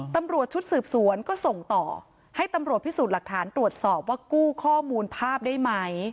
ตำรวจชุดสืบสวนก็ส่งต่อให้ตำรวจพิสูจน์หลักฐานตรวจสอบว่ากู้ข้อมูลภาพได้ไหม